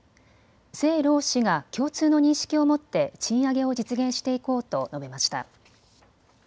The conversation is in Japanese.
政労使が共通の認識を持って賃上げを実現していこうと述べました。